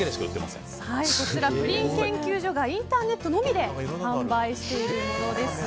こちらプリン研究所がインターネットのみで販売しているものです。